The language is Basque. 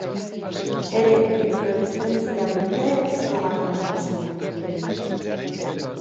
Bere infloreszentzia dute ezaugarri nagusia.